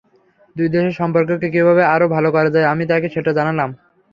দুই দেশের সম্পর্ককে কীভাবে আরও ভালো করা যায়, আমি তাঁকে সেটা জানালাম।